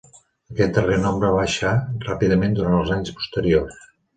Aquest darrer nombre baixà ràpidament durant els anys posteriors.